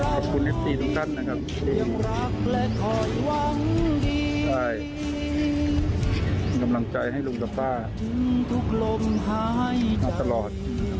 ขอบคุณเอฟซีทุกท่านนะครับที่ได้กำลังใจให้ลุงซับป้านักตลอด